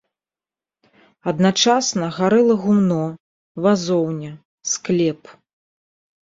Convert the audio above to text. Адначасна гарэла гумно, вазоўня, склеп.